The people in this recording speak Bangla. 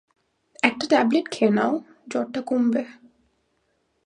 একটা ট্যাবলেট খেয়ে নাও, জ্বরটা কমবে।